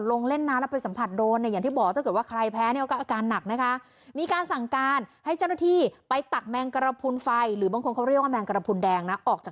ลงเล่นน้ำแล้วไปสัมผัสโด